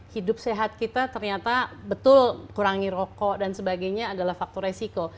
hidup sehat kita ternyata betul kurangi rokok dan sebagainya adalah faktor resiko